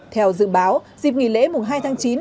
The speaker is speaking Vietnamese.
theo dự báo dịp nghỉ lễ hai tháng chín